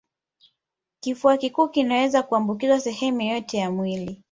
Kifua kikuu kinaweza kuambukiza sehemu yoyote ya mwili